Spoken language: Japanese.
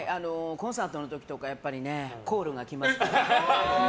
コンサートの時とかコールが来ますから。